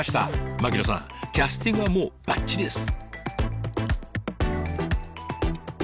槙野さんキャスティングはもうバッチリです。